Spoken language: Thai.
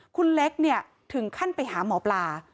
คุณเล็กถึงขั้นไปหาหมอปลา